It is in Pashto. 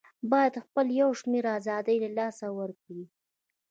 بايد خپل يو شمېر آزادۍ د لاسه ورکړي